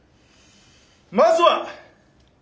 まずは！